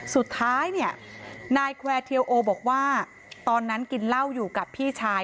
สุดท้ายเนี่ยนายแควร์เทียลโอบอกว่าตอนนั้นกินเหล้าอยู่กับพี่ชาย